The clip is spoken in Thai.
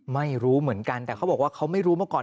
ไม่รู้เหมือนกันแต่เขาบอกว่าเขาไม่รู้มาก่อน